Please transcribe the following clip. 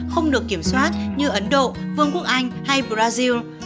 không được kiểm soát như ấn độ vương quốc anh hay brazil